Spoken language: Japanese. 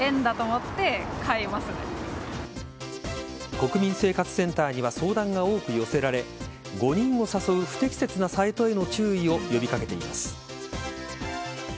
国民生活センターには相談が多く寄せられ誤認を誘う不適切なサイトへの注意を呼びかけています。